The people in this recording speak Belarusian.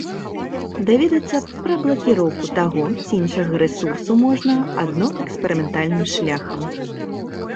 Даведацца пра блакіроўку таго ці іншага рэсурсу можна адно эксперыментальным шляхам.